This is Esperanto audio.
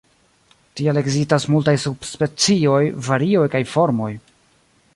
Tial ekzistas multaj subspecioj, varioj kaj formoj.